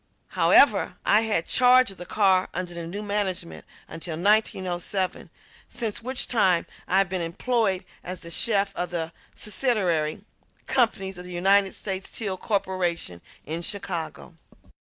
However, I had charge of the car under the new management until 1907, since which time I have been employed as chef of the subsidiary companies of the United States Steel Corporation in Chicago.